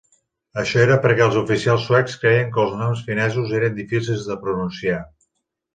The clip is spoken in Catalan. Això era perquè els oficials suecs creien que els noms finesos eren difícils de pronunciar.